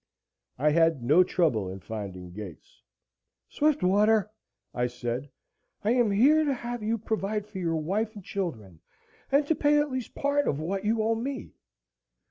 I had no trouble in finding Gates. "Swiftwater," I said, "I am here to have you provide for your wife and children, and to pay at least part of what you owe me."